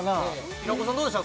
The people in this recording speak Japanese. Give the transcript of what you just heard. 平子さんどうでした？